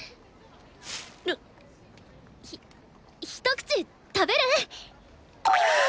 ひ一口食べる？